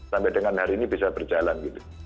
sampai dengan hari ini bisa berjalan gitu